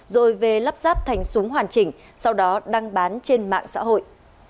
rồi về lắp ráp thành súng hoàn chỉnh sau đó đăng bán trên mạng xã hội